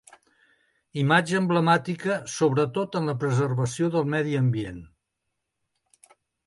Imatge emblemàtica, sobretot en la preservació del medi ambient.